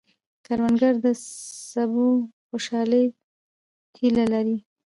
کروندګر د سبو د خوشحالۍ هیله لري